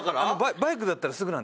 バイクだったらすぐなんで。